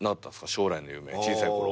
将来の夢小さいころ。